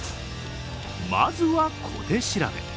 まずは小手調べ。